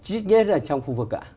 ít nhất là trong khu vực cả